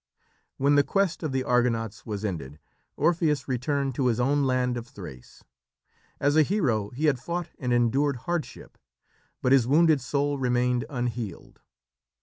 When the quest of the Argonauts was ended, Orpheus returned to his own land of Thrace. As a hero he had fought and endured hardship, but his wounded soul remained unhealed.